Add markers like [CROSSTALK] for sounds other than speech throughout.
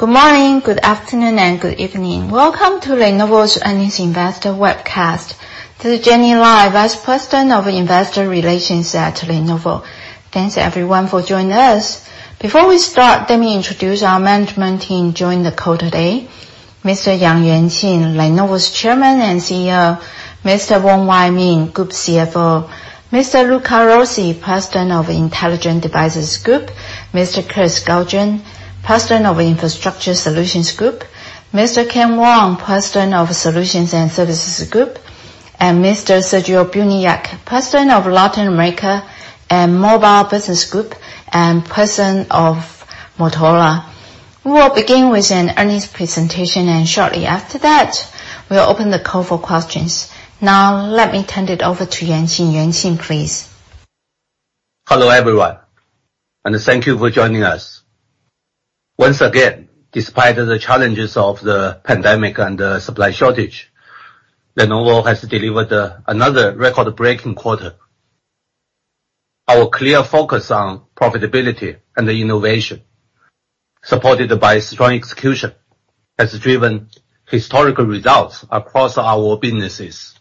Good morning, good afternoon, and good evening. Welcome to Lenovo's Earnings Investor Webcast. This is Jenny Lai, Vice President of Investor Relations at Lenovo. Thanks everyone for joining us. Before we start, let me introduce our management team joining the call today. Mr. Yang Yuanqing, Lenovo's Chairman and CEO. Mr. Wong Wai Ming, Group CFO. Mr. Luca Rossi, President of Intelligent Devices Group. Mr. Kirk Skaugen, President of Infrastructure Solutions Group. Mr. Ken Wong, President of Solutions and Services Group. And Mr. Sergio Buniac, President of Latin America and Mobile Business Group, and President of Motorola. We will begin with an earnings presentation, and shortly after that, we'll open the call for questions. Now, let me turn it over to Yuanqing. Yuanqing, please. Hello, everyone, and thank you for joining us. Once again, despite of the challenges of the pandemic and the supply shortage, Lenovo has delivered another record-breaking quarter. Our clear focus on profitability and innovation, supported by strong execution, has driven historical results across our businesses.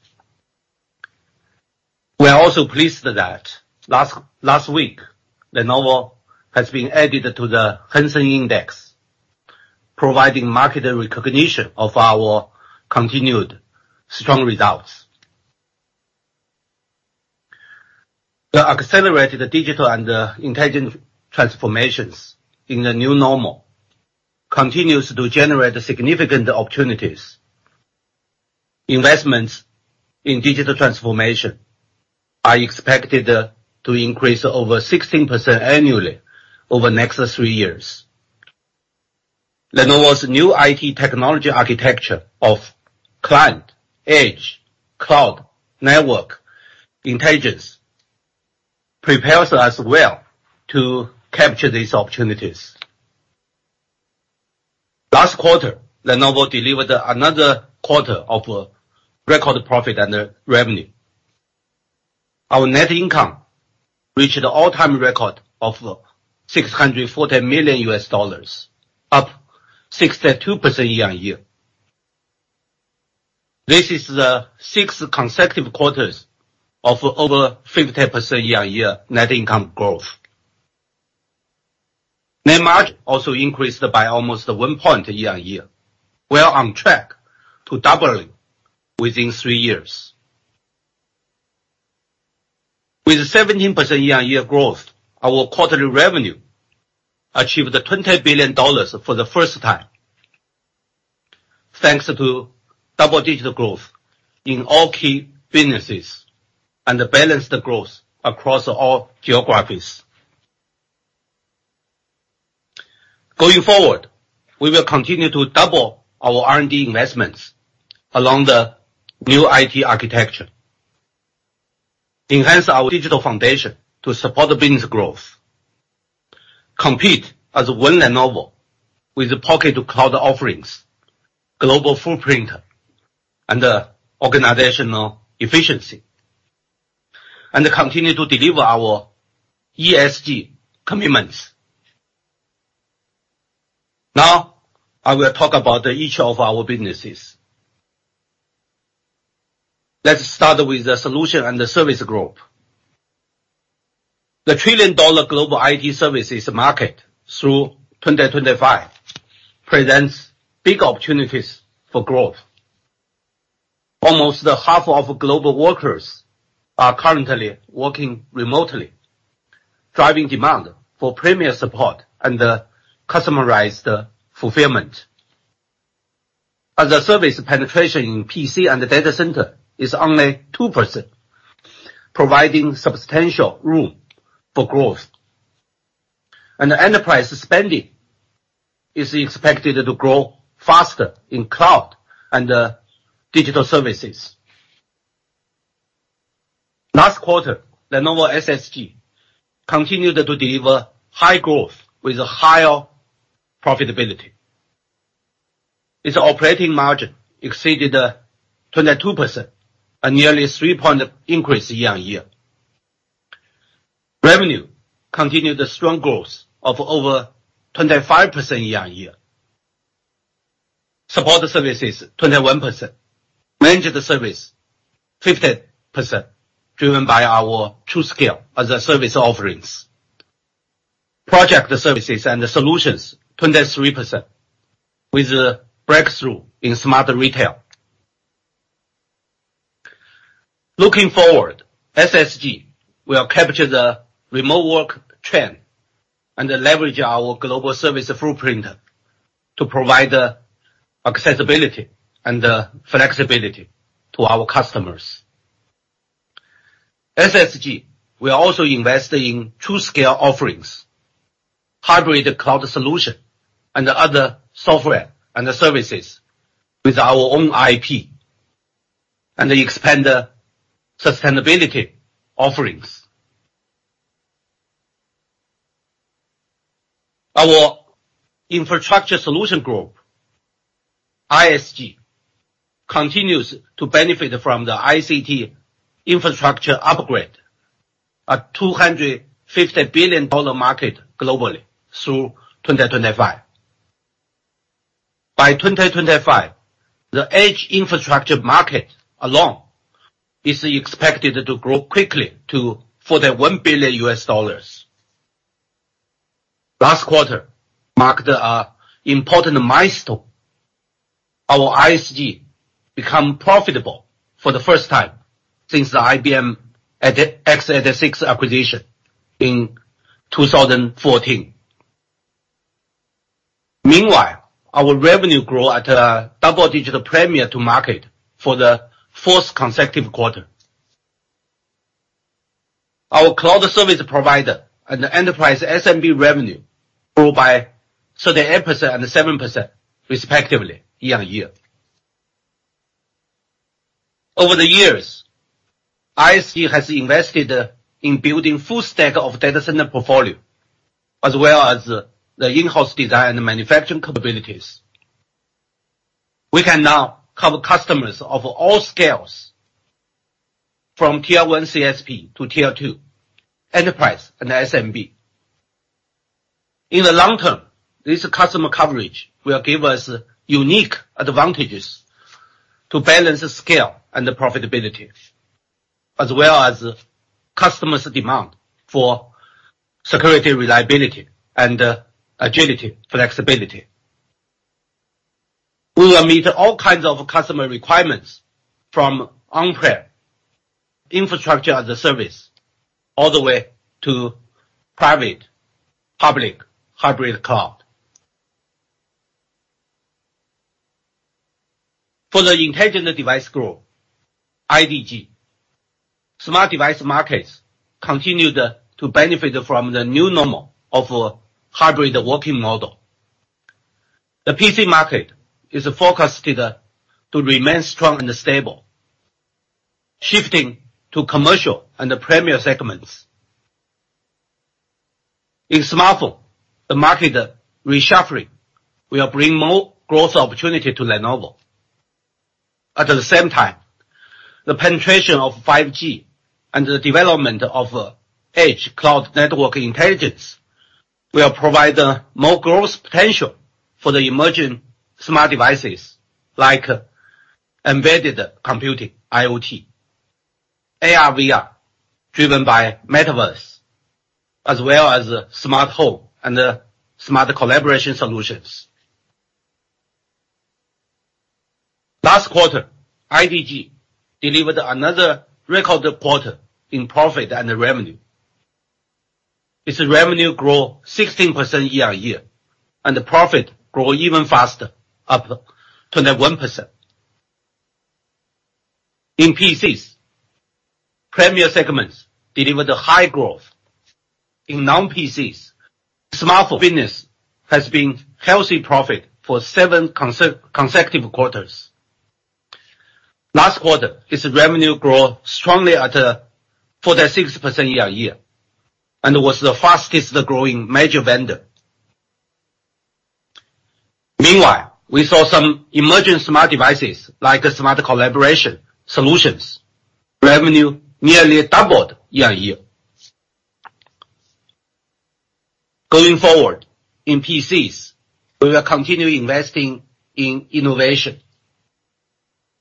We are also pleased that last week, Lenovo has been added to the Hang Seng Index, providing a mark of recognition of our continued strong results. The accelerated digital and intelligent transformations in the new normal continues to generate significant opportunities. Investments in digital transformation are expected to increase over 16% annually over the next three years. Lenovo's new IT technology architecture of client, edge, cloud, network, intelligence prepares us well to capture these opportunities. Last quarter, Lenovo delivered another quarter of record profit and revenue. Our net income reached an all-time record of $640 million, up 62% year-on-year. This is the sixth consecutive quarters of over 50% year-on-year net income growth. Net margin also increased by almost one point year-on-year. We are on track to double within three years. With 17% year-on-year growth, our quarterly revenue achieved $20 billion for the first time, thanks to double-digit growth in all key businesses and balanced growth across all geographies. Going forward, we will continue to double our R&D investments along the new IT architecture, enhance our digital foundation to support the business growth, compete as one Lenovo with pocket-to-cloud offerings, global footprint, and organizational efficiency, and continue to deliver our ESG commitments. Now, I will talk about each of our businesses. Let's start with the Solutions and Services Group. The trillion-dollar global IT services market through 2025 presents big opportunities for growth. Almost half of global workers are currently working remotely, driving demand for premier support and customized fulfillment. As-a-service penetration in PC and the data center is only 2%, providing substantial room for growth. Enterprise spending is expected to grow faster in cloud and digital services. Last quarter, Lenovo SSG continued to deliver high growth with higher profitability. Its operating margin exceeded 22%, a nearly three-point increase year-on-year. Revenue continued strong growth of over 25% year-on-year. Support services, 21%. Managed service, 15%, driven by our TruScale as-a-service offerings. Project services and solutions, 23%, with a breakthrough in smart retail. Looking forward, SSG will capture the remote work trend and leverage our global service footprint to provide accessibility and flexibility to our customers. SSG will also invest in TruScale offerings, hybrid cloud solution, and other software and services with our own IP, and expand sustainability offerings. Our Infrastructure Solutions Group, ISG continues to benefit from the ICT infrastructure upgrade. A $250 billion market globally through 2025. By 2025, the edge infrastructure market alone is expected to grow quickly to $41 billion. Last quarter marked important milestone. Our ISG become profitable for the first time since the IBM x86 acquisition in 2014. Meanwhile, our revenue grow at a double-digit premium to market for the fourth consecutive quarter. Our cloud service provider and the enterprise SMB revenue grew by 38% and 7% respectively year-on-year. Over the years, ISG has invested in building full stack of data center portfolio, as well as the in-house design and manufacturing capabilities. We can now cover customers of all scales from tier one CSP to tier two, enterprise and SMB. In the long term, this customer coverage will give us unique advantages to balance the scale and the profitability, as well as customers' demand for security, reliability, and agility, flexibility. We will meet all kinds of customer requirements from on-prem infrastructure as a service, all the way to private, public, hybrid cloud. For the Intelligent Devices Group, IDG, smart device markets continued to benefit from the new normal of a hybrid working model. The PC market is forecasted to remain strong and stable, shifting to commercial and the premium segments. In smartphone, the market reshuffling will bring more growth opportunity to Lenovo. At the same time, the penetration of 5G and the development of edge cloud network intelligence will provide more growth potential for the emerging smart devices like embedded computing, IoT, AR/VR, driven by Metaverse, as well as smart home and smart collaboration solutions. Last quarter, IDG delivered another record quarter in profit and revenue. Its revenue grow 16% year-on-year, and the profit grow even faster, up 21%. In PCs, premier segments delivered a high growth. In non-PCs, smartphone business has been healthy profit for seven consecutive quarters. Last quarter, its revenue grew strongly at 46% year-on-year and was the fastest-growing major vendor. Meanwhile, we saw some emerging smart devices like smart collaboration solutions. Revenue nearly doubled year-on-year. Going forward, in PCs, we will continue investing in innovation,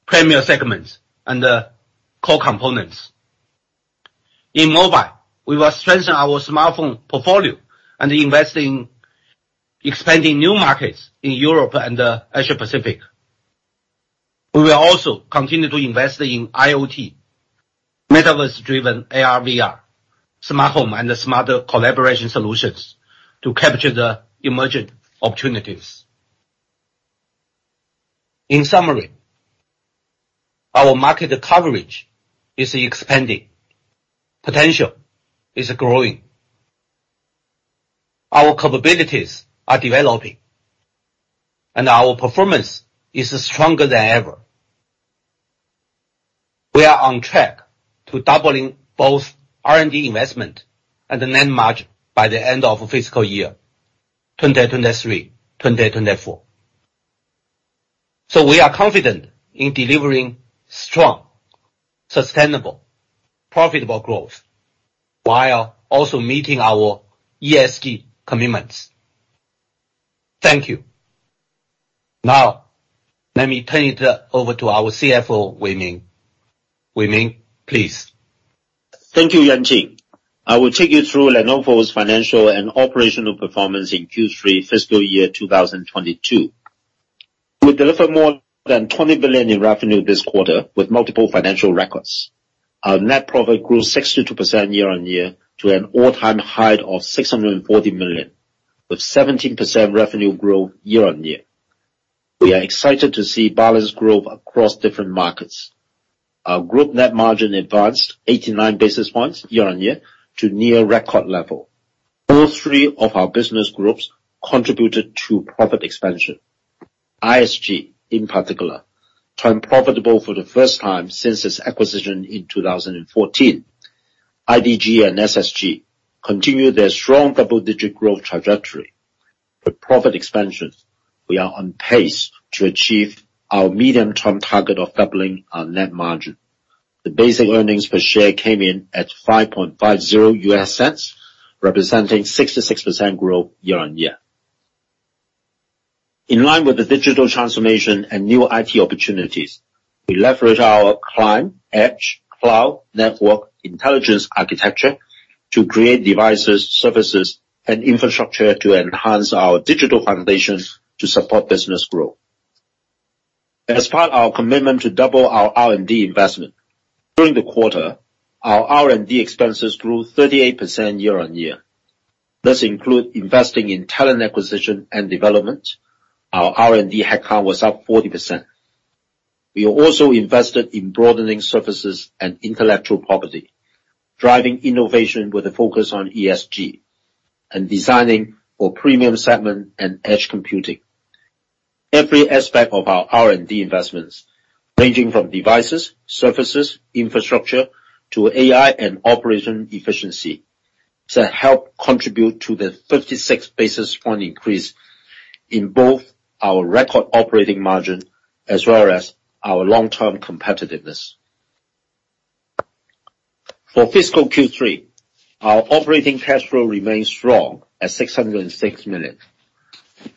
premier segments, and core components. In mobile, we will strengthen our smartphone portfolio and invest in expanding new markets in Europe and Asia-Pacific. We will also continue to invest in IoT, Metaverse-driven AR/VR, smart home, and smarter collaboration solutions to capture the emerging opportunities. In summary, our market coverage is expanding. Potential is growing. Our capabilities are developing, and our performance is stronger than ever. We are on track to doubling both R&D investment and the net margin by the end of fiscal year 2023, 2024. We are confident in delivering strong, sustainable, profitable growth while also meeting our ESG commitments. Thank you. Now, let me turn it over to our CFO, Wong Wai Ming. Wong Wai Ming, please. Thank you, Yang Yuanqing. I will take you through Lenovo's financial and operational performance in Q3 fiscal year 2022. We delivered more than $20 billion in revenue this quarter with multiple financial records. Our net profit grew 62% year-on-year to an all-time high of $640 million, with 17% revenue growth year-on-year. We are excited to see balanced growth across different markets. Our group net margin advanced 89 basis points year-on-year to near record level. All three of our business groups contributed to profit expansion. ISG, in particular, turned profitable for the first time since its acquisition in 2014. IDG and SSG continued their strong double-digit growth trajectory. With profit expansions, we are on pace to achieve our medium-term target of doubling our net margin. The basic earnings per share came in at $0.055, representing 66% growth year-over-year. In line with the digital transformation and new IT opportunities, we leverage our client-edge-cloud-network-intelligence architecture to create devices, services, and infrastructure to enhance our digital foundations to support business growth. As part of our commitment to double our R&D investment, during the quarter, our R&D expenses grew 38% year-over-year. This includes investing in talent acquisition and development. Our R&D headcount was up 40%. We also invested in broadening services and intellectual property, driving innovation with a focus on ESG and designing for premium segment and edge computing. Every aspect of our R&D investments, ranging from devices, services, infrastructure to AI and operational efficiency that help contribute to the 56 basis points increase in both our record operating margin as well as our long-term competitiveness. For fiscal Q3, our operating cash flow remains strong at $606 million.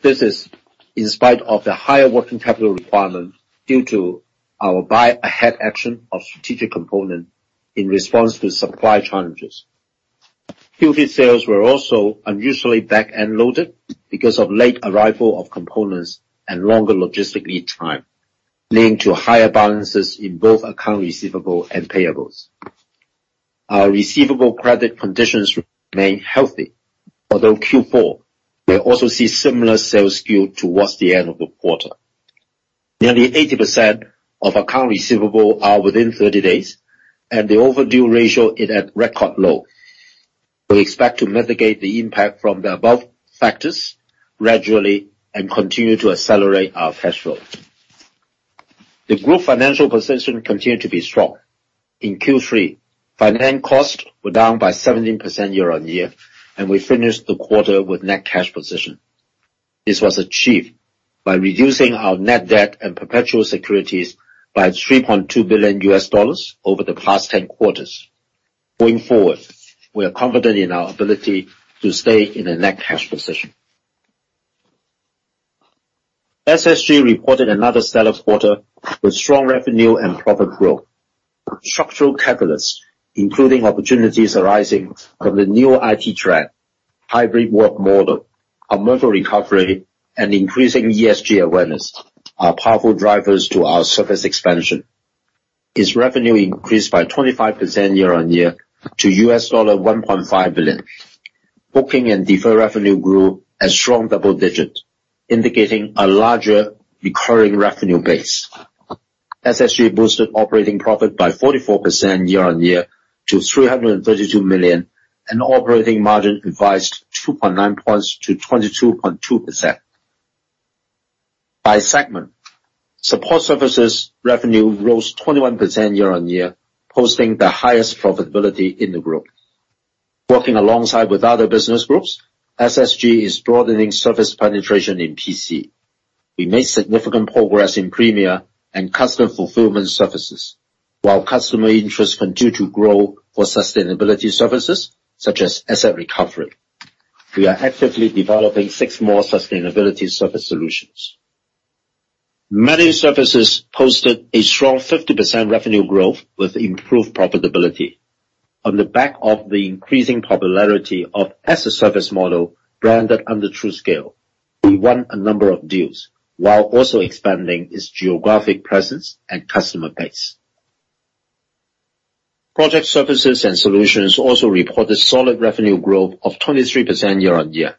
This is in spite of the higher working capital requirement due to our buy-ahead action of strategic component in response to supply challenges. Q3 sales were also unusually back-end loaded because of late arrival of components and longer logistics lead time, leading to higher balances in both accounts receivable and payables. Our receivable credit conditions remain healthy. Although Q4 will also see similar sales skew toward the end of the quarter. Nearly 80% of accounts receivable are within 30 days, and the overdue ratio is at record low. We expect to mitigate the impact from the above factors gradually and continue to accelerate our cash flow. The group financial position continued to be strong. In Q3, finance costs were down by 17% year-over-year, and we finished the quarter with net cash position. This was achieved by reducing our net debt and perpetual securities by $3.2 billion over the past 10 quarters. Going forward, we are confident in our ability to stay in a net cash position. SSG reported another strong quarter with strong revenue and profit growth. Structural catalysts, including opportunities arising from the new IT trend, hybrid work model, commercial recovery, and increasing ESG awareness are powerful drivers to our services expansion. Its revenue increased by 25% year-over-year to $1.5 billion. Booking and deferred revenue grew a strong double-digit, indicating a larger recurring revenue base. SSG boosted operating profit by 44% year-on-year to $332 million, and operating margin revised 2.9 points to 22.2%. By segment, support services revenue rose 21% year-on-year, posting the highest profitability in the group. Working alongside with other business groups, SSG is broadening service penetration in PC. We made significant progress in premier and customer fulfillment services, while customer interest continues to grow for sustainability services such as asset recovery. We are actively developing six more sustainability service solutions. Managed services posted a strong 50% revenue growth with improved profitability. On the back of the increasing popularity of as-a-service model branded under TruScale, we won a number of deals while also expanding its geographic presence and customer base. Project services and solutions also reported solid revenue growth of 23% year-on-year.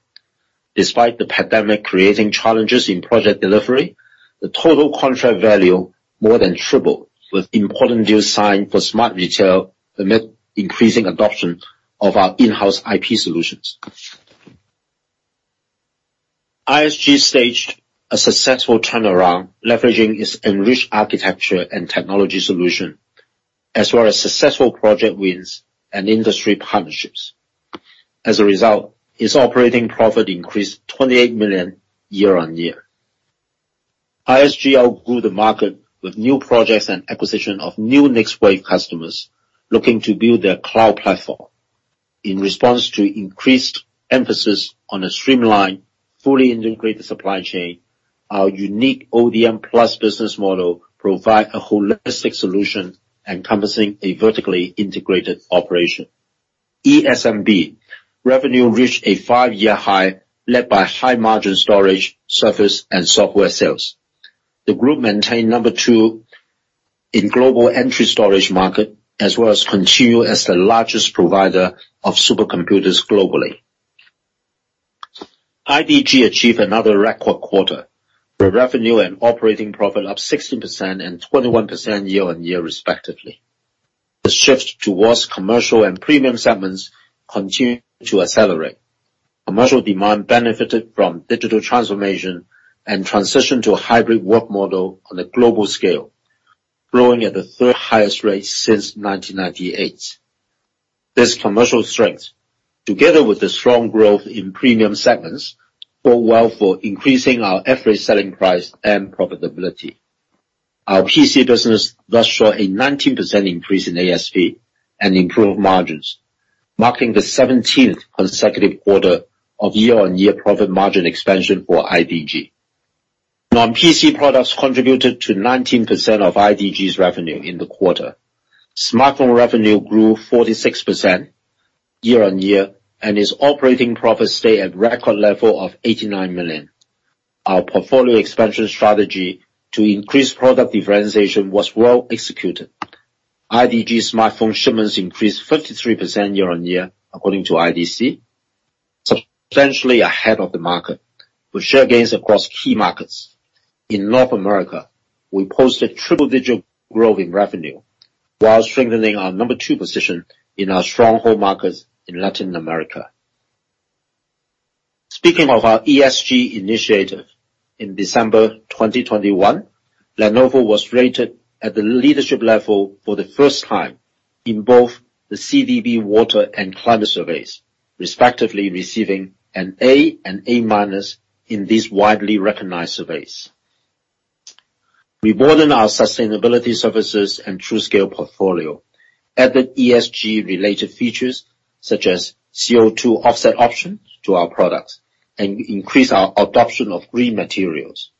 Despite the pandemic creating challenges in project delivery, the total contract value more than tripled with important deals signed for smart retail amid increasing adoption of our in-house IP solutions. ISG staged a successful turnaround leveraging its enriched architecture and technology solution, as well as successful project wins and industry partnerships. As a result, its operating profit increased $28 million year-on-year. ISG outgrew the market with new projects and acquisition of new next wave customers looking to build their cloud platform. In response to increased emphasis on a streamlined, fully integrated supply chain, our unique ODM+ business model provides a holistic solution encompassing a vertically integrated operation. ESMB revenue reached a five-year high led by high-margin storage servers and software sales. The group-maintained number two in global enterprise storage market as well as continued as the largest provider of supercomputers globally. IDG achieved another record quarter, with revenue and operating profit up 16% and 21% year-on-year respectively. The shift towards commercial and premium segments continued to accelerate. Commercial demand benefited from digital transformation and transition to a hybrid work model on a global scale, growing at the third-highest rate since 1998. This commercial strength, together with the strong growth in premium segments, bodes well for increasing our average selling price and profitability. Our PC business saw a 19% increase in ASP and improved margins, marking the 17th consecutive quarter of year-on-year profit margin expansion for IDG. Non-PC products contributed to 19% of IDG's revenue in the quarter. Smartphone revenue grew 46% year-over-year and its operating profits stay at record level of $89 million. Our portfolio expansion strategy to increase product differentiation was well executed. IDG smartphone shipments increased 53% year-over-year, according to IDC, substantially ahead of the market, with share gains across key markets. In North America, we posted triple-digit growth in revenue while strengthening our number two position in our stronghold markets in Latin America. Speaking of our ESG initiative, in December 2021, Lenovo was rated at the leadership level for the first time in both the CDP Water and Climate Surveys, respectively receiving an A and A- in these widely recognized surveys. We broadened our sustainability services and TruScale portfolio, added ESG-related features such as CO2 offset options to our products, and increased our adoption of green materials.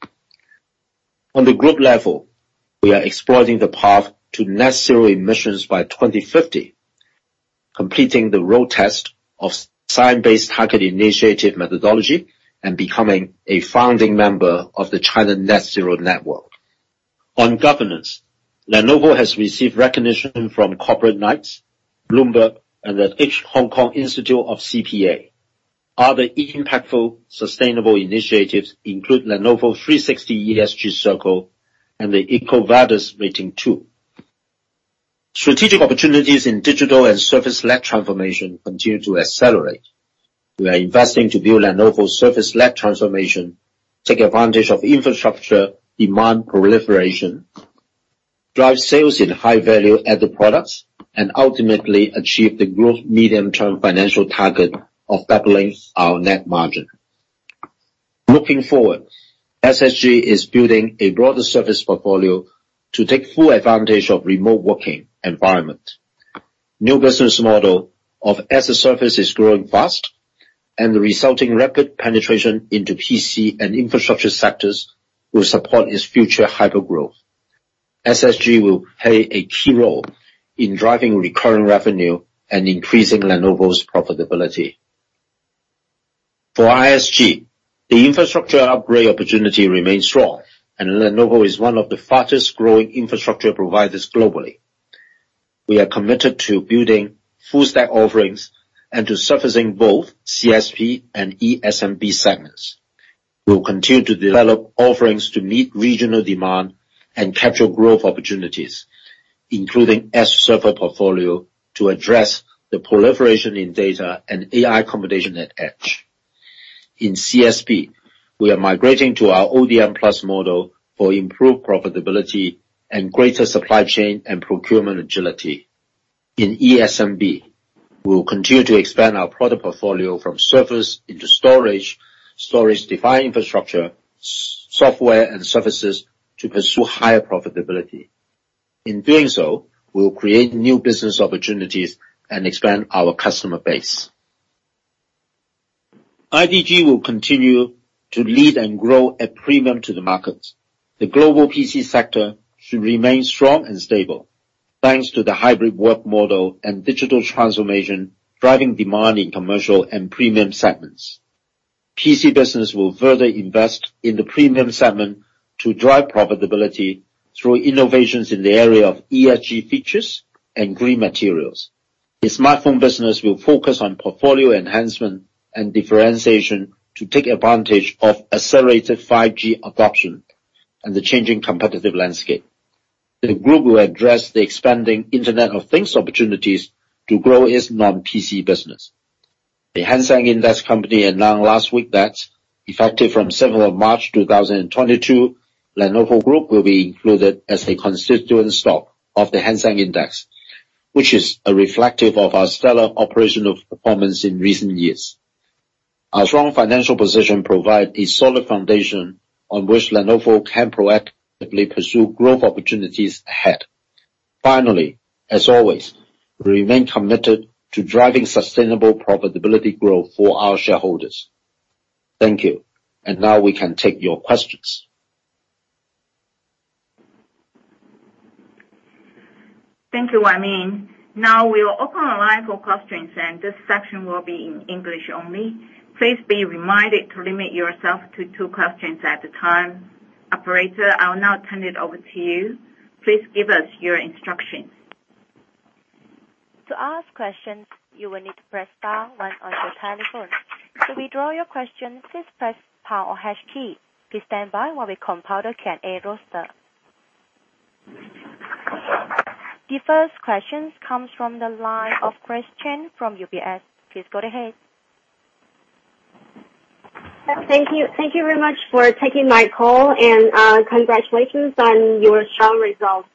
On the group level, we are exploring the path to net zero emissions by 2050, completing the road test of Science Based Targets initiative methodology and becoming a founding member of the China Net Zero Network. On governance, Lenovo has received recognition from Corporate Knights, Bloomberg, and the Hong Kong Institute of CPA. Other impactful sustainable initiatives include Lenovo 360 Circle and the EcoVadis rating, too. Strategic opportunities in digital and service-led transformation continue to accelerate. We are investing to build Lenovo's service-led transformation, take advantage of infrastructure demand proliferation, drive sales in high value-added products, and ultimately achieve the group medium-term financial target of doubling our net margin. Looking forward, SSG is building a broader service portfolio to take full advantage of remote working environment. New business model of as-a-service is growing fast, and the resulting rapid penetration into PC and infrastructure sectors will support its future hypergrowth. SSG will play a key role in driving recurring revenue and increasing Lenovo's profitability. For ISG, the infrastructure upgrade opportunity remains strong, and Lenovo is one of the fastest-growing infrastructure providers globally. We are committed to building full stack offerings and to servicing both CSP and ESMB segments. We will continue to develop offerings to meet regional demand and capture growth opportunities, including as-a-service portfolio to address the proliferation of data and AI acceleration at the edge. In CSP, we are migrating to our ODM+ model for improved profitability and greater supply chain and procurement agility. In ESMB, we will continue to expand our product portfolio from servers into storage, software-defined infrastructure, software and services to pursue higher profitability. In doing so, we will create new business opportunities and expand our customer base. IDG will continue to lead and grow at a premium to the markets. The global PC sector should remain strong and stable, thanks to the hybrid work model and digital transformation, driving demand in commercial and premium segments. PC business will further invest in the premium segment to drive profitability through innovations in the area of ESG features and green materials. The smartphone business will focus on portfolio enhancement and differentiation to take advantage of accelerated 5G adoption and the changing competitive landscape. The group will address the expanding Internet of Things opportunities to grow its non-PC business. The Hang Seng Indexes Company Limited announced last week that effective from March 7th, 2022, Lenovo Group will be included as a constituent stock of the Hang Seng Index, which is a reflective of our stellar operational performance in recent years. Our strong financial position provides a solid foundation on which Lenovo can proactively pursue growth opportunities ahead. Finally, as always, we remain committed to driving sustainable profitability growth for our shareholders. Thank you. Now we can take your questions. Thank you, Wong Wai Ming. Now we will open the line for questions, and this section will be in English only. Please be reminded to limit yourself to two questions at a time. Operator, I will now turn it over to you. Please give us your instructions. To ask a question, you will need to press star one on the telephone. To withdraw your question, please press star or hash key. Please stand by while we compile the Q&A roster. The first question comes from the line of Grace Chen from UBS. Please go ahead. Thank you. Thank you very much for taking my call, and congratulations on your strong results.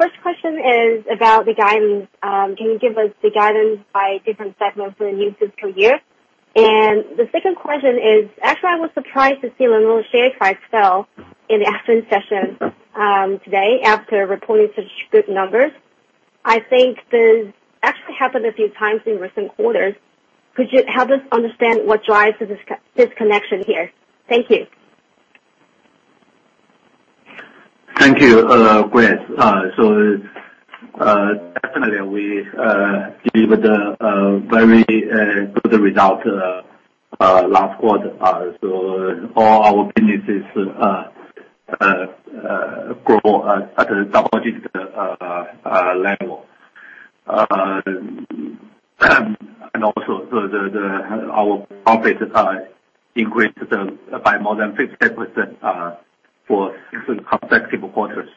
First question is about the guidance. Can you give us the guidance by different segments for the new fiscal year? The second question is, actually, I was surprised to see Lenovo's share price fell in the afternoon session, today after reporting such good numbers. I think this actually happened a few times in recent quarters. Could you help us understand what drives this connection here? Thank you. Thank you, Grace. Definitely we delivered a very good result last quarter. All our businesses grow at a double-digit level. Our profits increased by more than 50% for six consecutive quarters.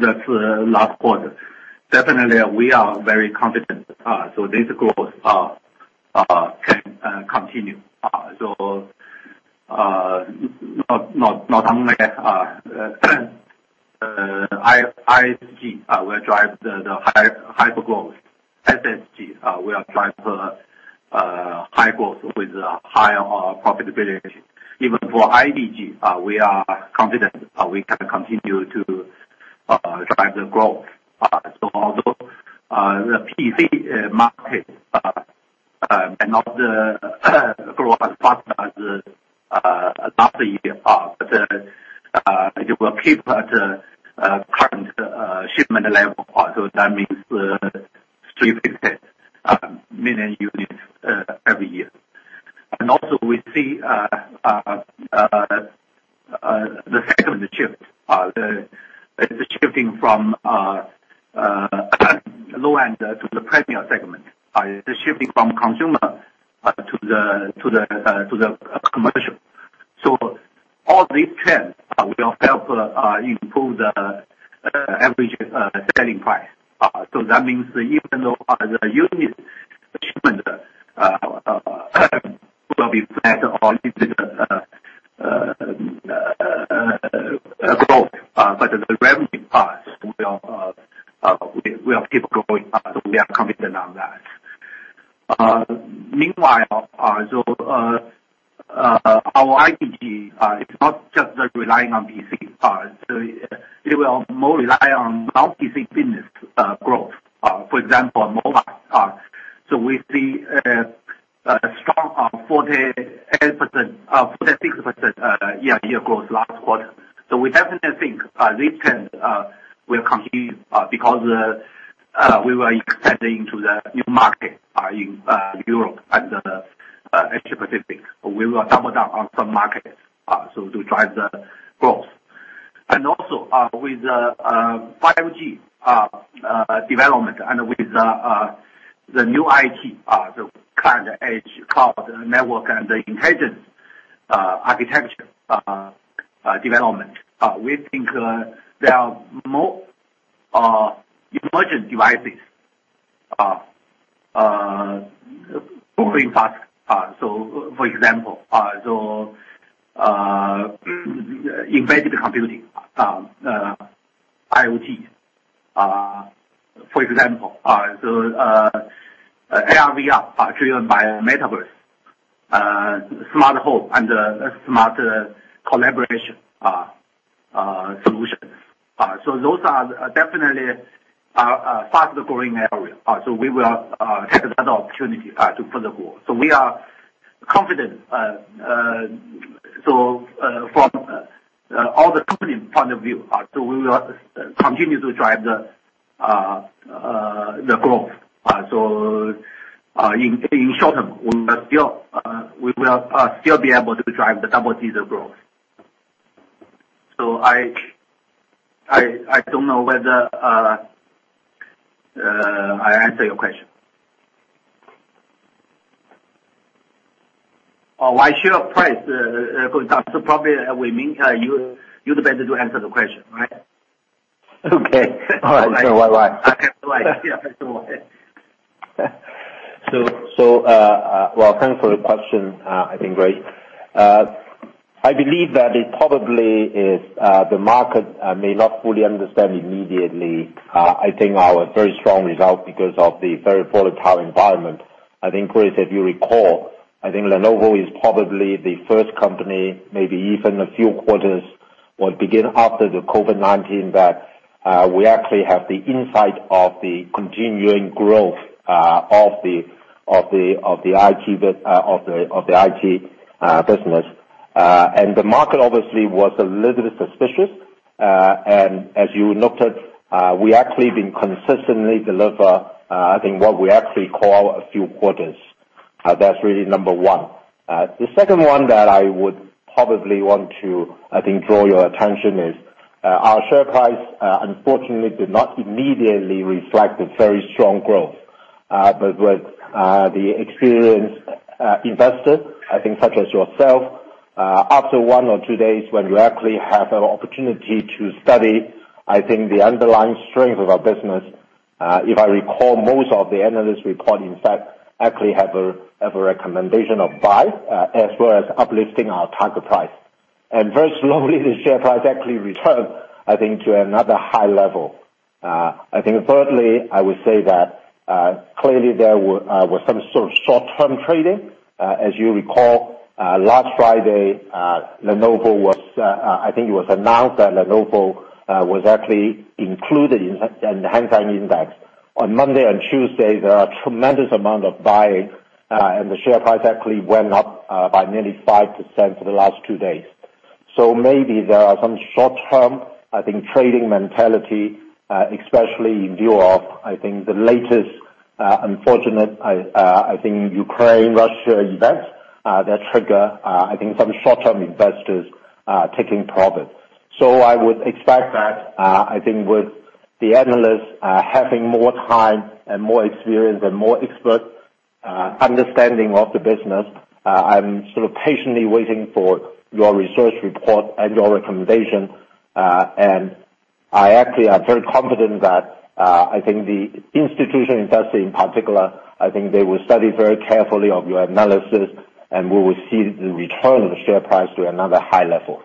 That's the last quarter. Definitely we are very confident. This growth can continue. Not only IDG will drive the hypergrowth. SSG will drive the high growth with the high profitability. Even for IDG, we are confident we can continue to drive the growth. Although the PC market may not grow as fast as last year, but it will keep at current shipment level. That means 350 million units every year. We see the segment shift. The shifting from low-end to the premium segment. The shifting from consumer to the commercial. All these trends will help improve the average selling price. That means even though the unit shipment will be flat or little growth, but the revenue part will keep growing. We are confident on that. Meanwhile, our IDG is not just relying on PC part. It will more rely on non-PC business growth. For example, mobile. We see a strong 46% year-on-year growth last quarter. We definitely think this trend will continue because we were expanding to the new market in Europe and Asia Pacific. We will double down on some markets so to drive the growth. Also, with 5G development and with the new IDG, the Client-Edge-Cloud-Network-Intelligence architecture development, we think there are more emerging devices growing fast. For example, embedded computing, IoT, for example. AR/VR are driven by Metaverse, smart home and smart collaboration solutions. Those are definitely fast growing area. We will take that opportunity to further grow. We are confident from all the company point of view. We will continue to drive the growth. In short term, we will still be able to drive the double-digit growth. I don't know whether I answer your question. Our share price going down, so probably we may tell you're the better to answer the question, right? Okay. All right. Will I. [CROSSTALK] Well, thanks for the question, I think, Grace. I believe that it probably is the market may not fully understand immediately, I think our very strong result because of the very volatile environment. I think, Grace, if you recall, I think Lenovo is probably the first company, maybe even a few quarters, that began after the COVID-19, that we actually have the sign of the continuing growth of the IT business. The market obviously was a little bit suspicious. As you noted, we have actually been consistently delivering, I think, for a few quarters. That's really number one. The second one that I would probably want to, I think, draw your attention is, our share price, unfortunately did not immediately reflect the very strong growth. With the experienced investor, I think such as yourself, after one or two days when you actually have an opportunity to study, I think the underlying strength of our business, if I recall, most of the analyst report, in fact, actually have a recommendation of buy, as well as uplifting our target price. Very slowly, the share price actually returned, I think, to another high level. I think thirdly, I would say that clearly there was some sort of short-term trading. As you recall, last Friday, Lenovo was, I think it was announced that Lenovo was actually included in the Hang Seng Index. On Monday and Tuesday, there was a tremendous amount of buying, and the share price actually went up by nearly 5% for the last two days. Maybe there are some short-term, I think, trading mentality, especially in view of, I think, the latest, unfortunate, I think Ukraine-Russia events, that trigger, I think some short-term investors, taking profit. I would expect that, I think with the analysts, having more time and more experience and more expert, understanding of the business, I'm sort of patiently waiting for your research report and your recommendation. I actually am very confident that, I think the institutional investor, in particular, I think they will study very carefully of your analysis, and we will see the return of the share price to another high level.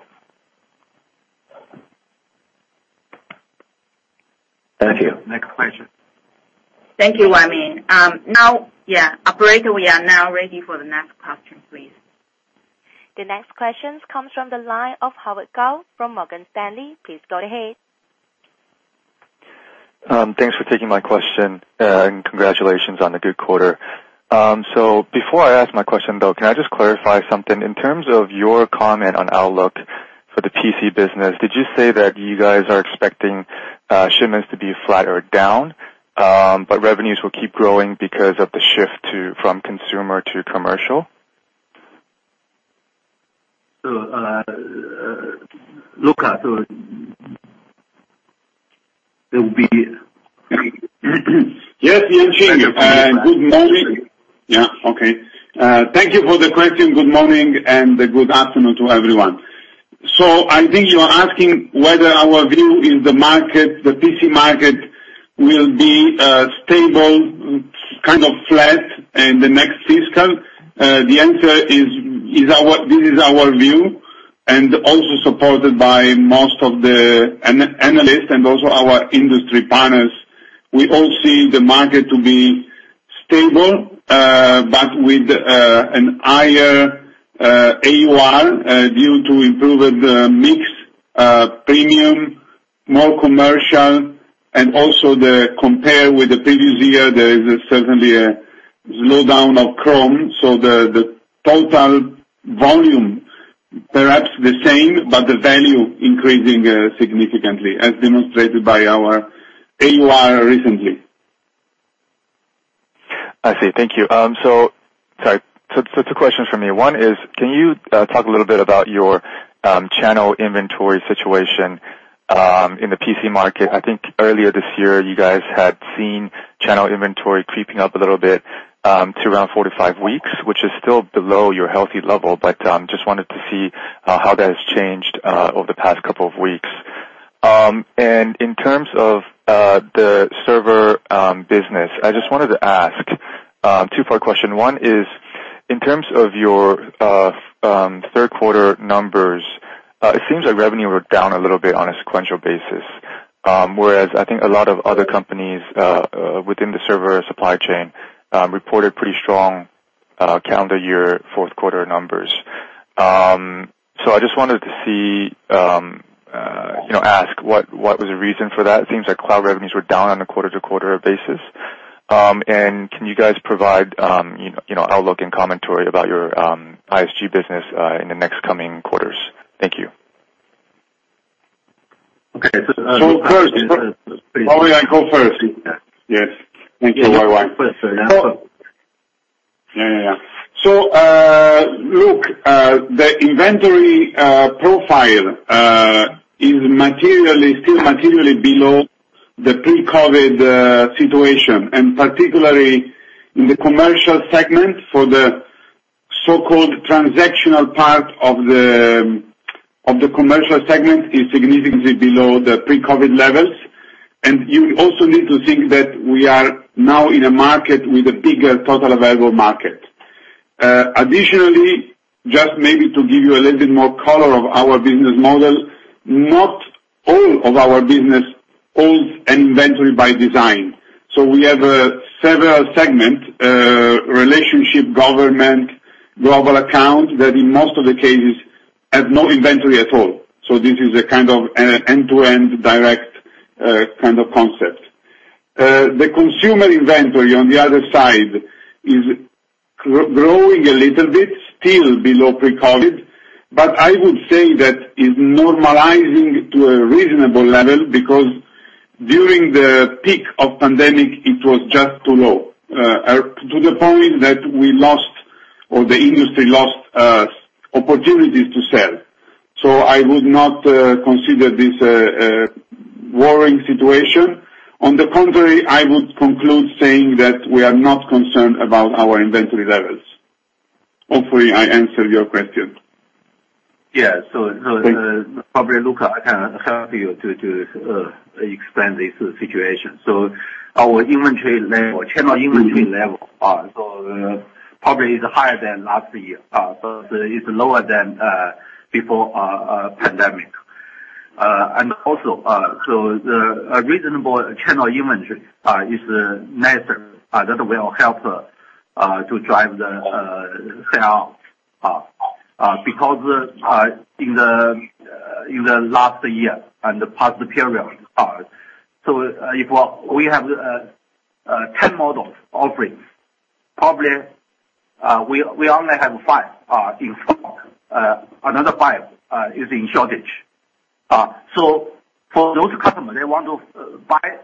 Thank you. Next question. Thank you, Wong Wai Ming. Now, yeah, operator, we are now ready for the next question, please. The next question comes from the line of Howard Kao from Morgan Stanley. Please go ahead. Thanks for taking my question, and congratulations on the good quarter. Before I ask my question, though, can I just clarify something? In terms of your comment on outlook for the PC business, did you say that you guys are expecting shipments to be flat or down, but revenues will keep growing because of the shift from consumer to commercial? Luca, It will be Yes, Yang Yuanqing. Thank you for the question. Good morning and good afternoon to everyone. I think you are asking whether our view in the market, the PC market, will be stable, kind of flat in the next fiscal. The answer is our view and also supported by most of the analysts and also our industry partners. We all see the market to be stable, but with a higher AUR due to improved mix, premium, more commercial, and also compared with the previous year, there is certainly a slowdown of Chrome. The total volume, perhaps the same, but the value increasing significantly, as demonstrated by our AUR recently. I see. Thank you. Two questions from me. One is, can you talk a little bit about your channel inventory situation in the PC market? I think earlier this year you guys had seen channel inventory creeping up a little bit to around four-five weeks, which is still below your healthy level. Just wanted to see how that has changed over the past couple of weeks. In terms of the server business, I just wanted to ask two-part question. One is, in terms of your third quarter numbers, it seems like revenue were down a little bit on a sequential basis, whereas I think a lot of other companies within the server supply chain reported pretty strong calendar year fourth quarter numbers. I just wanted to see, you know, ask what was the reason for that? It seems like cloud revenues were down on a quarter-over-quarter basis. Can you guys provide you know outlook and commentary about your ISG business in the next coming quarters? Thank you. Okay. Thank you, Yang Yuanqing. Yeah, yeah. Look, the inventory profile is materially below the pre-COVID situation. Particularly in the commercial segment for the so-called transactional part of the commercial segment is significantly below the pre-COVID levels. You also need to think that we are now in a market with a bigger total available market. Additionally, just maybe to give you a little bit more color on our business model, not all of our business holds inventory by design. We have several segment relationship government global account that in most of the cases have no inventory at all. This is a kind of an end-to-end direct kind of concept. The consumer inventory on the other side is growing a little bit, still below pre-COVID, but I would say that it's normalizing to a reasonable level because during the peak of pandemic it was just too low, or to the point that we lost or the industry lost opportunities to sell. I would not consider this a worrying situation. On the contrary, I would conclude saying that we are not concerned about our inventory levels. Hopefully, I answered your question. Yeah. Thank you. Probably, Luca can help you to explain this situation. Our inventory level, channel inventory level, probably is higher than last year. It's lower than before pandemic. The reasonable channel inventory is necessary that will help us to drive the sales because in the last year and the past period, if we have 10 model offerings, probably we only have five in stock, another five is in shortage. For those customers, they want to buy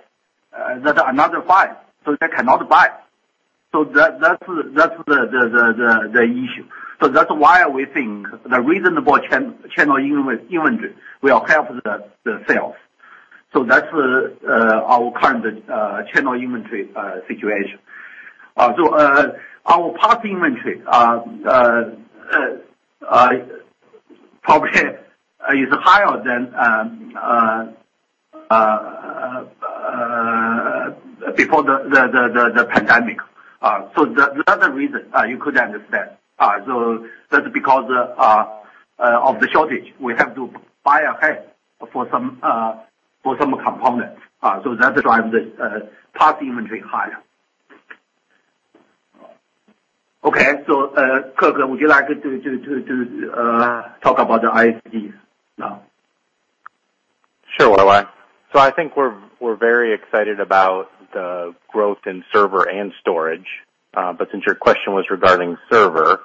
the other five, they cannot buy. That's the issue. That's why we think the reasonable channel inventory will help the sales. That's our current channel inventory situation. Our past inventory probably is higher than before the pandemic. The other reason you could understand. That's because of the shortage, we have to buy ahead for some components. That's why the past inventory higher. Okay. Kirk, would you like to talk about the ISVs now? Sure. I think we're very excited about the growth in server and storage. Since your question was regarding server,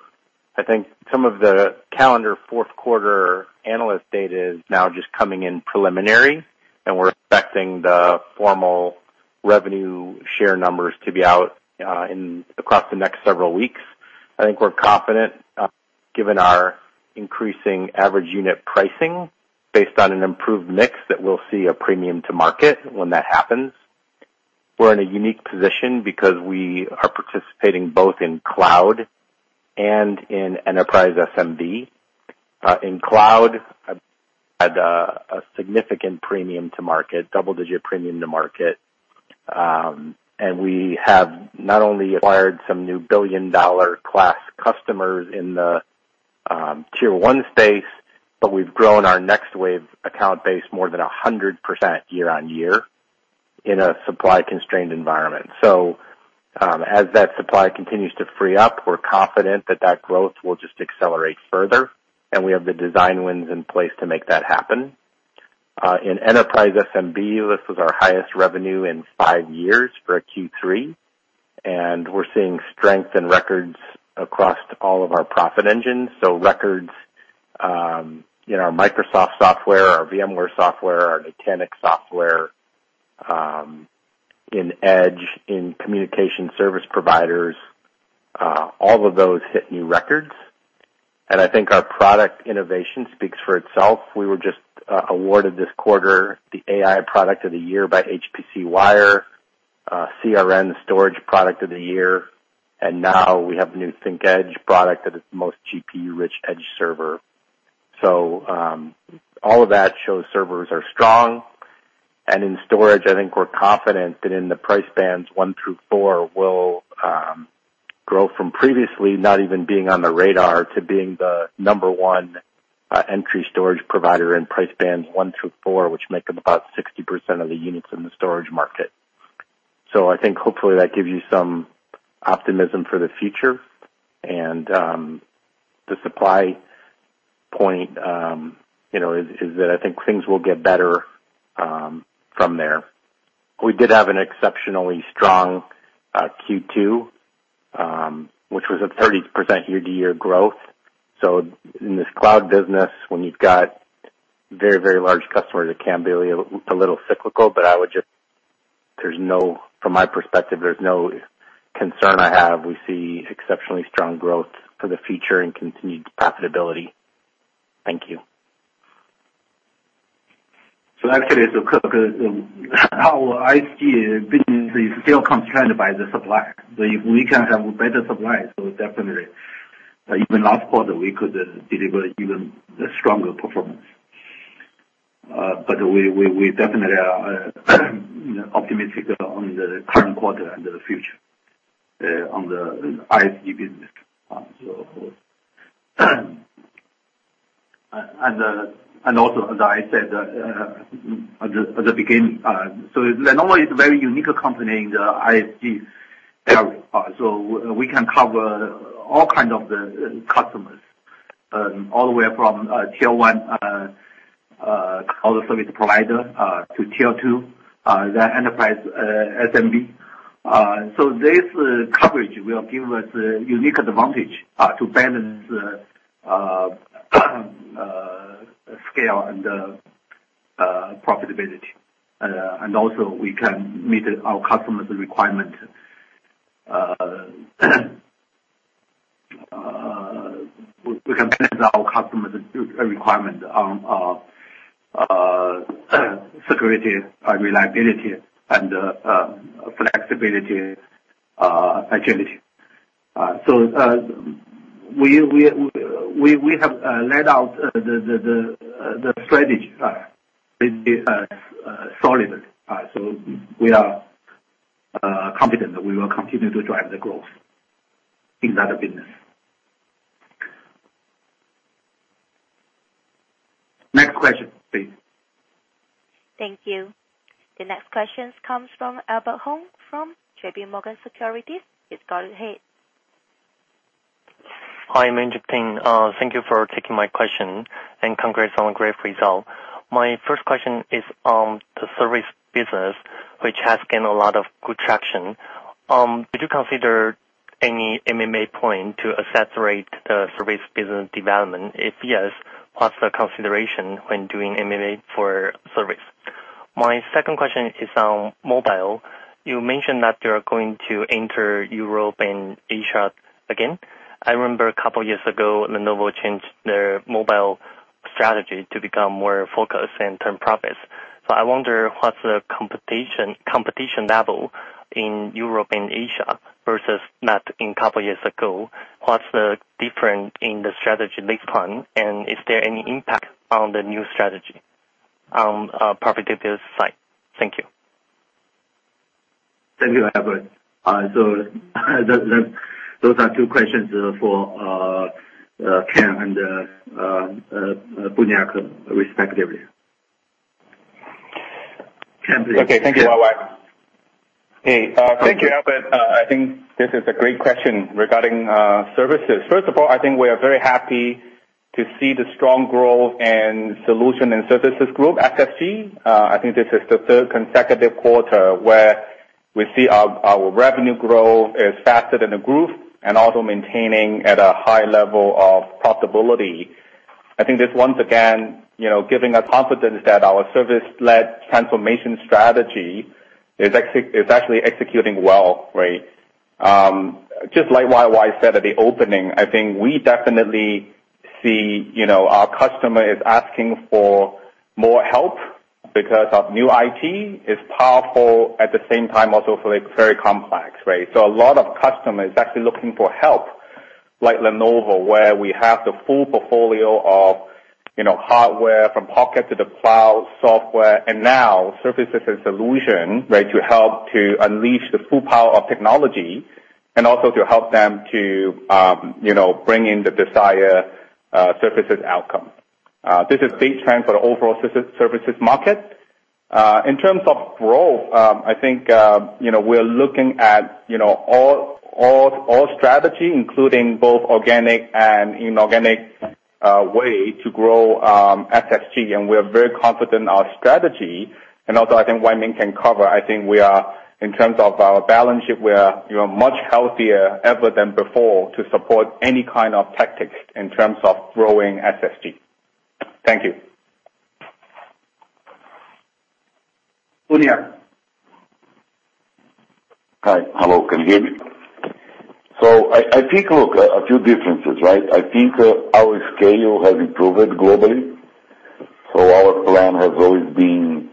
I think some of the calendar fourth quarter analyst data is now just coming in preliminary, and we're expecting the formal revenue share numbers to be out in the next several weeks. I think we're confident, given our increasing average unit pricing based on an improved mix, that we'll see a premium to market when that happens. We're in a unique position because we are participating both in cloud and in enterprise SMB. In cloud, we had a significant premium to market, double-digit premium to market. We have not only acquired some new billion-dollar class customers in the tier one space, but we've grown our NextWave account base more than 100% year-on-year in a supply constrained environment. As that supply continues to free up, we're confident that that growth will just accelerate further, and we have the design wins in place to make that happen. In enterprise SMB, this was our highest revenue in five years for a Q3, and we're seeing strength and records across all of our profit engines. Records in our Microsoft software, our VMware software, our Nutanix software, in Edge, in communication service providers, all of those hit new records. I think our product innovation speaks for itself. We were just awarded this quarter the AI Product of the Year by HPCwire, CRN Storage Product of the Year, and now we have the new ThinkEdge product that is the most GPU-rich edge server. All of that shows servers are strong. In storage, I think we're confident that in the price bands one through four will grow from previously not even being on the radar to being the number one entry storage provider in price bands one through four, which make up about 60% of the units in the storage market. I think hopefully that gives you some optimism for the future. The supply point, you know, is that I think things will get better from there. We did have an exceptionally strong Q2, which was a 30% year-to-year growth. In this cloud business, when you've got very, very large customers, it can be a little cyclical. From my perspective, there's no concern I have. We see exceptionally strong growth for the future and continued profitability. Thank you. Actually, Kirk, our ISG business is still constrained by the supply. We can have better supply, so definitely. Even last quarter we could deliver even stronger performance. We definitely are optimistic on the current quarter and the future on the ISG business. Also, as I said at the beginning, Lenovo is a very unique company in the ISG area. We can cover all kind of the customers all the way from tier one cloud service provider to tier two the enterprise SMB. This coverage will give us a unique advantage to balance the scale and profitability. We can meet our customers' requirement. We can manage our customers' requirement on security and reliability and flexibility, agility. We have laid out the strategy really solidly. We are confident that we will continue to drive the growth in that business. Next question please. Thank you. The next question comes from Albert Hung from J.P. Morgan Securities. Just go ahead. Hi, Wong Wai Ming. Thank you for taking my question, and congrats on great result. My first question is on the service business, which has gained a lot of good traction. Did you consider any M&A point to accelerate the service business development? If yes, what's the consideration when doing M&A for service? My second question is on mobile. You mentioned that you're going to enter Europe and Asia again. I remember a couple years ago, Lenovo changed their mobile strategy to become more focused and turn profits. I wonder, what's the competition level in Europe and Asia versus that in couple years ago? What's the difference in the strategy based on, and is there any impact on the new strategy, profitability side? Thank you. Thank you, Albert. Those are two questions for Ken and Sergio Buniac respectively. Ken, please. Okay, thank you, YY. Hey, thank you, Albert. I think this is a great question regarding services. First of all, I think we are very happy to see the strong growth in Solutions and Services Group, SSG. I think this is the third consecutive quarter where we see our revenue growth is faster than the group and also maintaining at a high level of profitability. I think this, once again, you know, giving us confidence that our service-led transformation strategy is actually executing well, right? Just like YY said at the opening, I think we definitely see, you know, our customer is asking for more help because of new IT. It's powerful, at the same time also feel like very complex, right? A lot of customers actually looking for help like Lenovo, where we have the full portfolio of hardware from pocket to the cloud, software, and now services and solution, right, to help to unleash the full power of technology, and also to help them to bring in the desired services outcome. This is big trend for the overall services market. In terms of growth, I think we're looking at all strategy, including both organic and inorganic way to grow SSG, and we're very confident in our strategy. Also, I think Wong Wai Ming can cover. I think we are in terms of our balance sheet much healthier ever than before to support any kind of tactics in terms of growing SSG. Thank you. Buniac. Hi. Hello. Can you hear me? I think a few differences, right? I think our scale has improved globally. Our plan has always been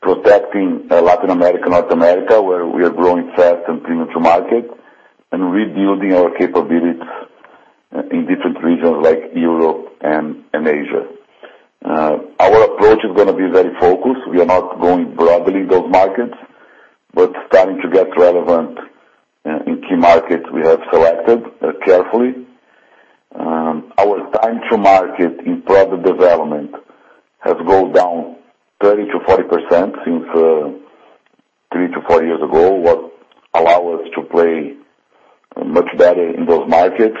protecting Latin America, North America, where we are growing fast and premium to market, and rebuilding our capabilities in different regions like Europe and Asia. Our approach is gonna be very focused. We are not going broadly those markets but starting to get relevant in key markets we have selected carefully. Our time to market in product development has gone down 30%-40% since three to four years ago. What allow us to play much better in those markets,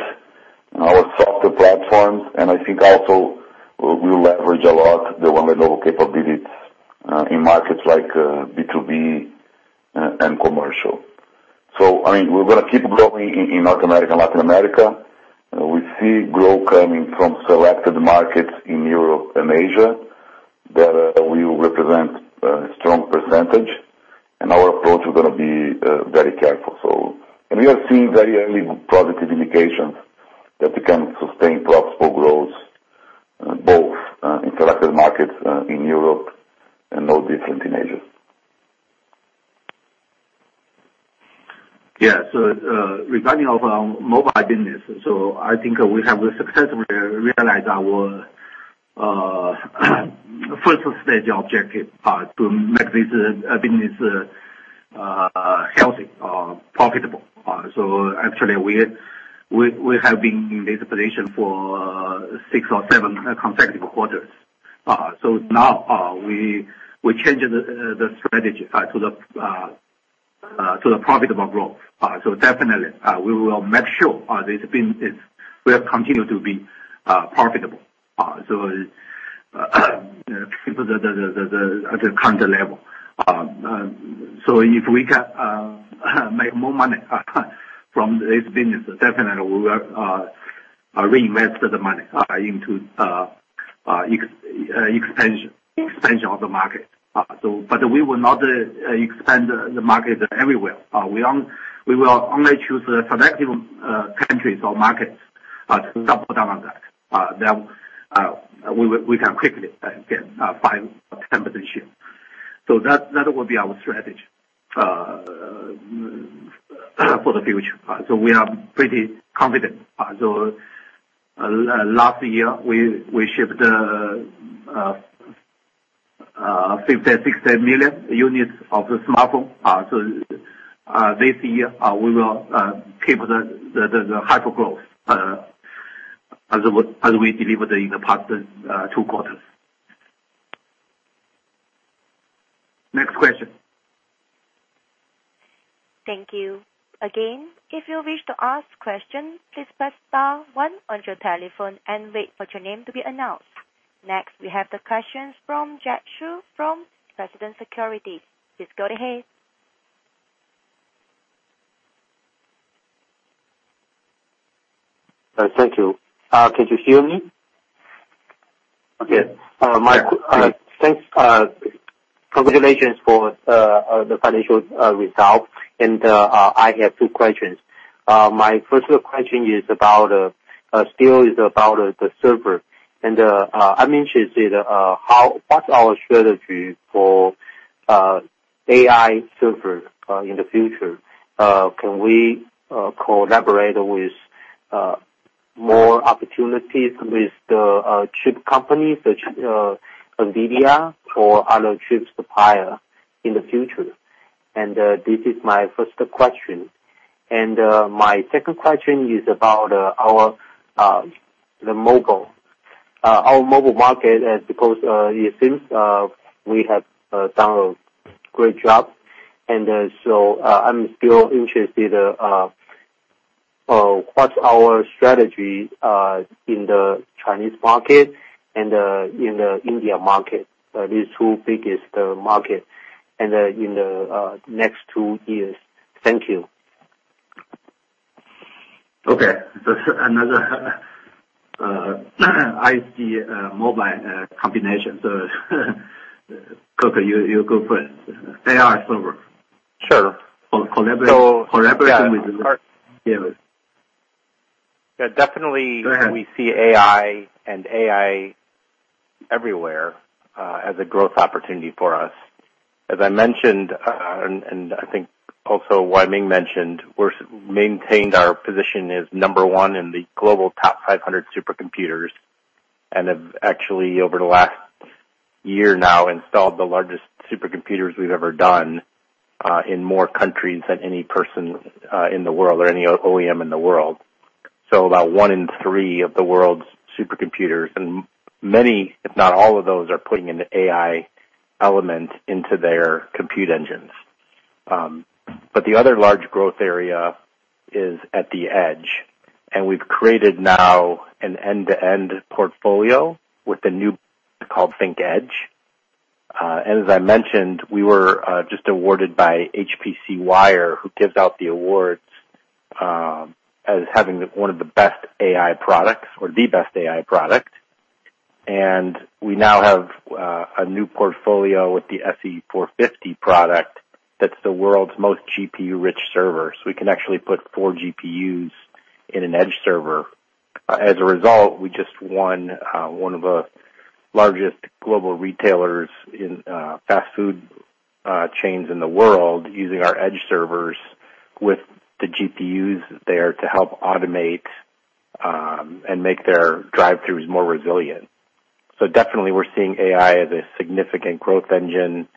our software platforms, and I think also we leverage a lot the Lenovo capabilities in markets like B2B and commercial. I mean, we're gonna keep growing in North America and Latin America. We see growth coming from selected markets in Europe and Asia that will represent a strong percentage, and our approach is gonna be very careful. We are seeing very early positive indications that we can sustain profitable growth, both in selected markets in Europe and no different in Asia. Yeah. Regarding mobile business, I think we have successfully realized our first stage objective to make this business healthy, profitable. Actually we have been in this position for six or seven consecutive quarters. Now we change the strategy to the profitable growth. Definitely we will make sure this business will continue to be profitable. Keep it at the current level. If we can make more money from this business, definitely we will reinvest the money into expansion of the market. But we will not expand the market everywhere. We will only choose selective countries or markets to double down on that we can quickly get 5%-10% share. That will be our strategy for the future. We are pretty confident. Last year we shipped 50 million-60 million units of the smartphone. This year we will keep the hypergrowth as we delivered in the past two quarters. Next question. Thank you. Again, if you wish to ask questions, please press star one on your telephone and wait for your name to be announced. Next, we have the questions from Jet Shu from President Securities. Please go ahead. Thank you. Can you hear me? Yes. Thanks. Congratulations for the financial result. I have two questions. My first question is about the server. I'm interested what's our strategy for AI server in the future. Can we collaborate with more opportunities with the chip companies such as NVIDIA or other chip supplier in the future? This is my first question. My second question is about our mobile. Our mobile market, because it seems we have done a great job. I'm still interested. What's our strategy in the Chinese market and in the Indian market, these two biggest markets, in the next two years? Thank you. Okay. That's another IT, mobile combination. Kirk, your good friend. AI server. Sure. Collaboration with Yeah. Yes. Yeah, definitely. Go ahead. We see AI everywhere as a growth opportunity for us. As I mentioned, and I think also Yang Yuanqing mentioned, we've maintained our position as number one in the global top 500 supercomputers. Have actually over the last year now installed the largest supercomputers we've ever done in more countries than anyone in the world or any OEM in the world. About 1/3 of the world's supercomputers, and many, if not all of those, are putting an AI element into their compute engines. The other large growth area is at the edge. We've created now an end-to-end portfolio with a new called ThinkEdge. As I mentioned, we were just awarded by HPCwire, who gives out the awards, as having one of the best AI products or the best AI product. We now have a new portfolio with the SE450 product that's the world's most GPU-rich server. We can actually put four GPUs in an edge server. As a result, we just won one of the largest global retailers in fast food chains in the world using our edge servers with the GPUs there to help automate and make their drive-throughs more resilient. Definitely we're seeing AI as a significant growth engine.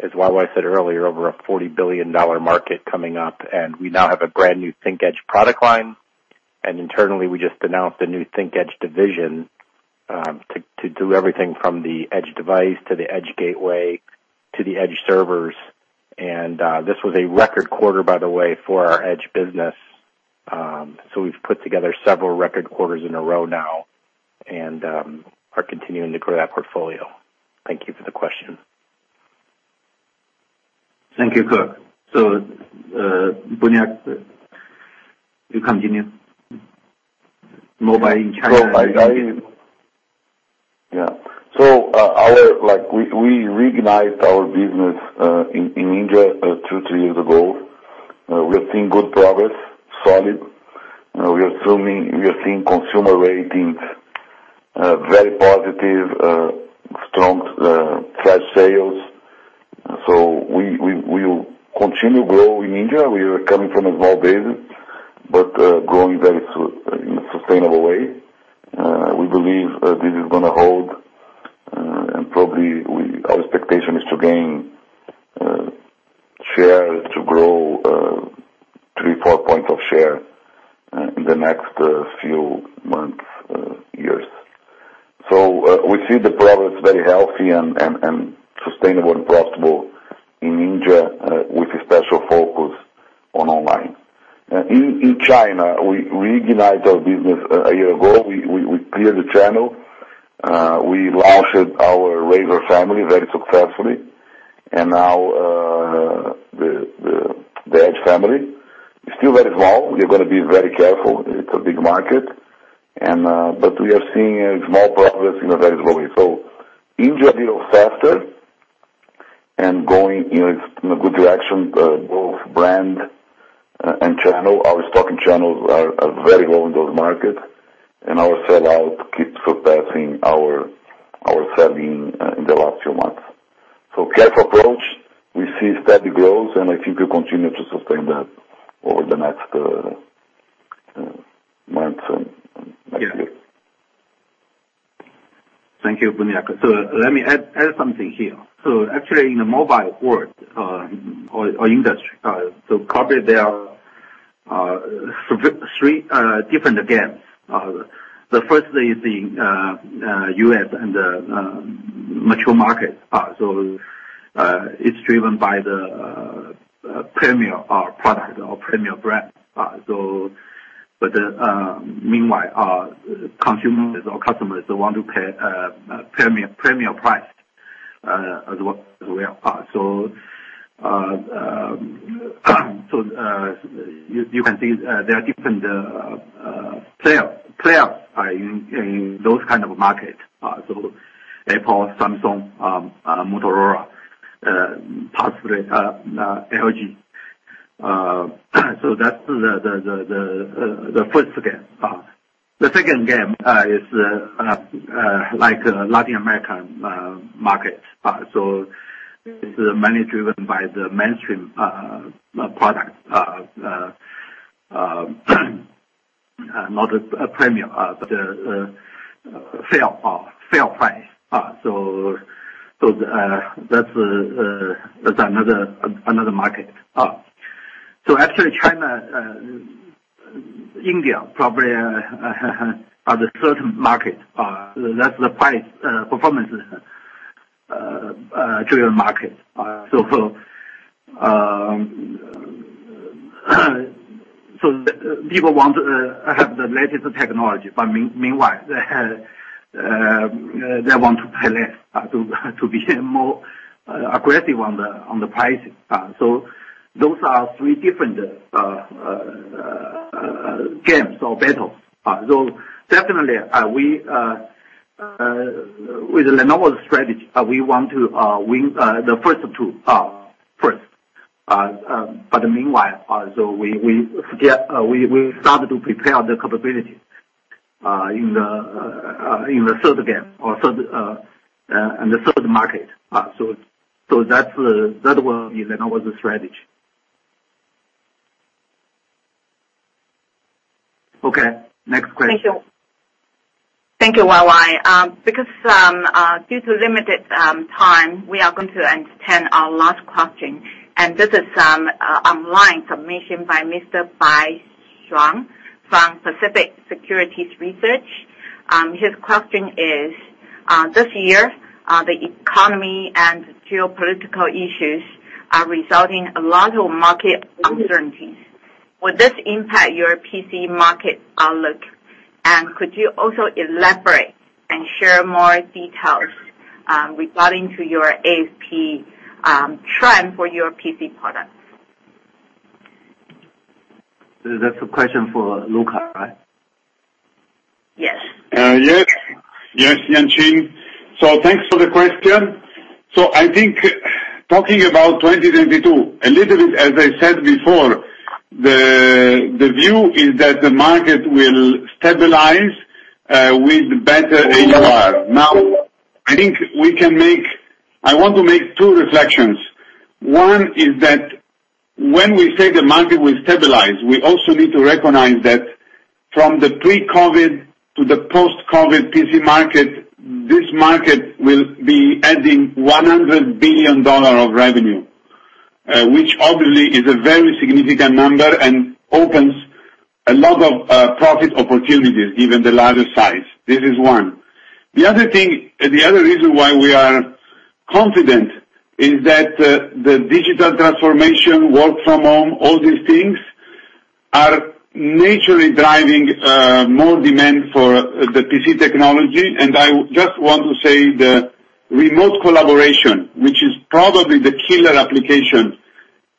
As Yang Yuanqing said earlier, over a $40 billion market coming up, and we now have a brand new ThinkEdge product line. Internally, we just announced a new ThinkEdge division to do everything from the edge device to the edge gateway to the edge servers. This was a record quarter, by the way, for our edge business. We've put together several record quarters in a row now and are continuing to grow that portfolio. Thank you for the question. Thank you, Kirk. Sergio Buniac, you continue. Mobile in China. We reignited our business in India two-three years ago. We're seeing good progress, solid. We are seeing consumer ratings very positive, strong flash sales. We will continue growing in India. We are coming from a small base but growing very successfully in a sustainable way. We believe this is gonna hold, and probably our expectation is to gain share to grow three-four points of share in the next few months, years. We see the progress very healthy and sustainable and profitable in India with a special focus on online. In China, we reignited our business a year ago. We cleared the channel. We launched our Razr family very successfully. Now, the Edge family is still very small. We're gonna be very careful. It's a big market, but we are seeing small progress very slowly. India a little faster and going in a good direction, both brand and channel. Our stocking channels are very low in those markets. Our sellout keeps surpassing our selling in the last few months. Careful approach. We see steady growth, and I think we continue to sustain that over the next months and next year. Yeah. Thank you, Buniac. Let me add something here. Actually, in the mobile world or industry, currently there are three different games. The first is the US and mature markets. It's driven by the premier product or premier brand. But meanwhile, consumers or customers don't want to pay premier price as well. You can see there are different players in that kind of market. Apple, Samsung, Motorola, possibly LG. That's the first game. The second game is like Latin American market. It's mainly driven by the mainstream product, not a premium, but fair price. That's another market. Actually China, India probably are the certain market. That's the price performance driven market. People want to have the latest technology, but meanwhile they want to pay less to be more aggressive on the pricing. Those are three different games or battles. Definitely with Lenovo's strategy we want to win the first two first. Meanwhile, we start to prepare the capability in the third market. That will be Lenovo's strategy. Okay, next question. Thank you. Thank you, YY. Because due to limited time, we are going to entertain our last question. This is online submission by Mr. Bai Shuang from Pacific Securities Research. His question is, this year, the economy and geopolitical issues are resulting in a lot of market uncertainties. Will this impact your PC market outlook? Could you also elaborate and share more details regarding to your ASP trend for your PC products? That's a question for Luca, right? Yes. Yes. Yes, Yuanqing. Thanks for the question. I think talking about 2022, a little bit as I said before, the view is that the market will stabilize with better AUR. I want to make two reflections. One is that when we say the market will stabilize, we also need to recognize that from the pre-COVID to the post-COVID PC market, this market will be adding $100 billion of revenue, which obviously is a very significant number and opens a lot of profit opportunities given the larger size. This is one. The other thing, the other reason why we are confident is that the digital transformation, work from home, all these things, are naturally driving more demand for the PC technology. I just want to say the remote collaboration, which is probably the killer application.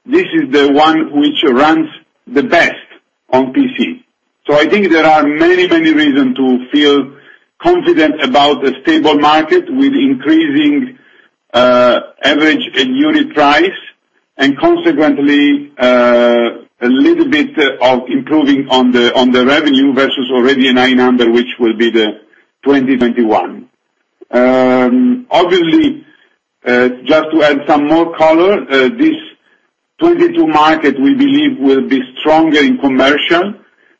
This is the one which runs the best on PC. I think there are many, many reasons to feel confident about a stable market with increasing average unit price and consequently a little bit of improving on the revenue versus already $900, which will be the 2021. Obviously, just to add some more color, this 2022 market, we believe will be stronger in commercial,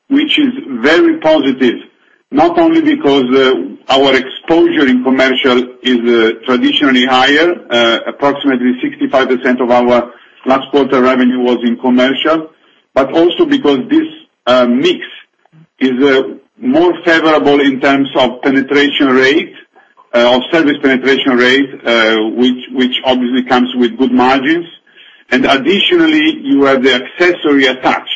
which is very positive. Not only because our exposure in commercial is traditionally higher, approximately 65% of our last quarter revenue was in commercial, but also because this mix is more favorable in terms of service penetration rate, which obviously comes with good margins. Additionally, you have the accessory attached,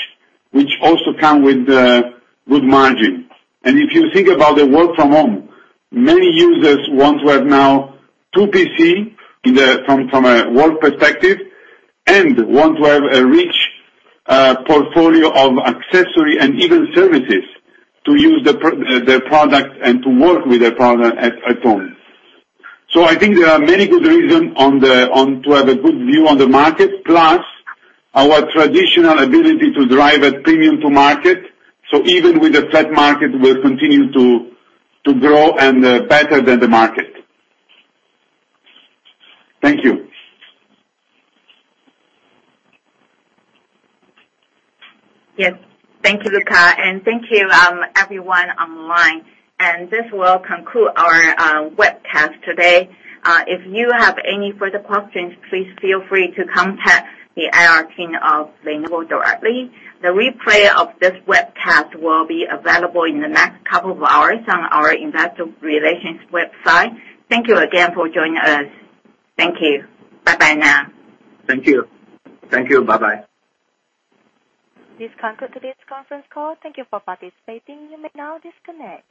which also come with good margin. If you think about the work from home, many users want to have now two PC from a work perspective and want to have a rich portfolio of accessory and even services to use the product and to work with the product at home. I think there are many good reason on to have a good view on the market, plus our traditional ability to drive at premium to market. Even with the flat market, we'll continue to grow and better than the market. Thank you. Yes. Thank you, Luca, and thank you, everyone online. This will conclude our webcast today. If you have any further questions, please feel free to contact the IR team of Lenovo directly. The replay of this webcast will be available in the next couple of hours on our investor relations website. Thank you again for joining us. Thank you. Bye-bye now. Thank you. Bye-bye. This concludes today's conference call. Thank you for participating. You may now disconnect.